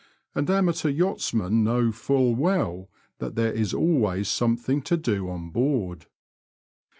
and amateur yachtsmen know full well that there is always something to do on board.